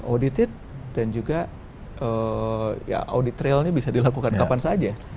audited dan juga ya audit railnya bisa dilakukan kapan saja